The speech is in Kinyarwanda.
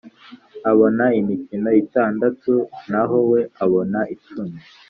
abona imikono itandatu naho we abona icumi